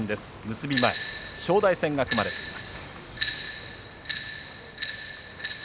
結び前正代戦が組まれています。